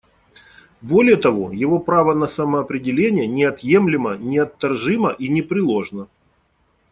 Более того, его право на самоопределение неотъемлемо, неотторжимо и непреложно.